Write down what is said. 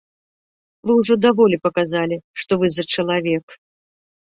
Вы ўжо даволі паказалі, што вы за чалавек.